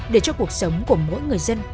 để cho cuộc sống của mỗi người dân